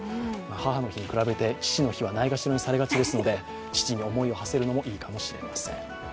母の日に比べて父の日は、ないがしろにされがちですので、父に思いをはせるのもいいかもしれません。